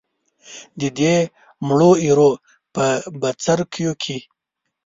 د دې مړو ایرو په بڅرکیو کې.